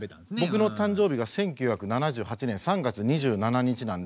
僕の誕生日が１９７８年３月２７日なんで。